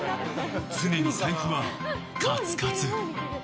常に財布はカツカツ。